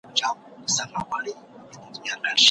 د ملکيت حق د هر انسان برخه ده.